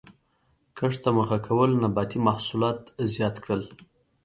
کښت ته مخه کولو نباتي محصولات زیات کړل.